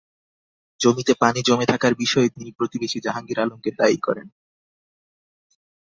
জমিতে পানি জমে থাকার বিষয়ে তিনি প্রতিবেশী জাহাঙ্গীর আলমকে দায়ী করেন।